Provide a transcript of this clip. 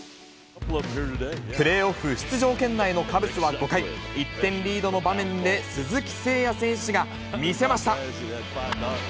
プレーオフ出場圏内のカブスは５回、１点リードの場面で、鈴木誠也選手が見せました。